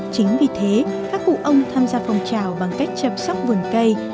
chính vì thế các cụ ông tham gia phòng trào bằng cách chăm sóc vườn cây